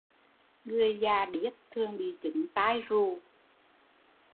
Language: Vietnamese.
Người già điếc thường bị chứng tai rù